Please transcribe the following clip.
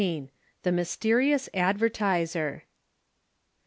THE MYSTERIOUS ADVERTISER.